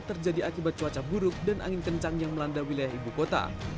terjadi akibat cuaca buruk dan angin kencang yang melanda wilayah ibu kota